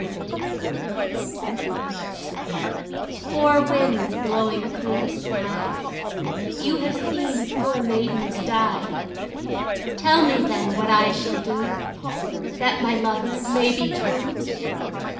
Four Winds "Four winds blowing through the sky, You have seen poor maidens die, Tell me then what I shall do That my lover may be true."